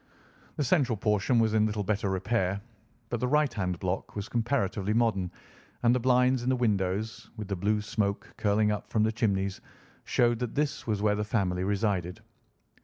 The central portion was in little better repair, but the right hand block was comparatively modern, and the blinds in the windows, with the blue smoke curling up from the chimneys, showed that this was where the family resided.